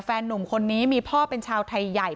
หนุ่มคนนี้มีพ่อเป็นชาวไทยใหญ่